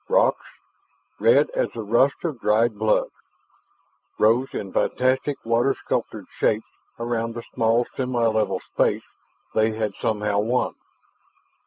Rocks, red as the rust of dried blood, rose in fantastic water sculptured shapes around the small semi level space they had somehow won.